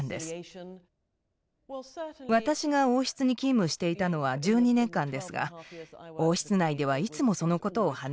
私が王室に勤務していたのは１２年間ですが王室内ではいつもそのことを話していました。